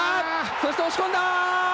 そして押し込んだ！